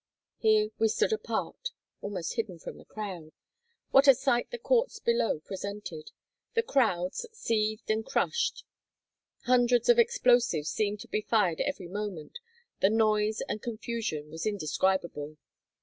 Here we stood apart, almost hidden from the crowd. What a sight the courts below presented! The crowds, seethed and crushed; hundreds of explosives seemed to be fired every moment; the noise and confusion was indescribable.